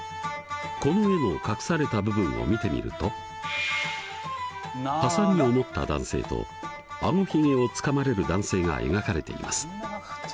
この絵の隠された部分を見てみるとハサミを持った男性と顎ひげをつかまれる男性が描かれています。